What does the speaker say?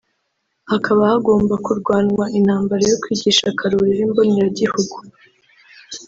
hakaba hagomba kurwanwa intambara yo kwigisha kare uburere mboneragihugu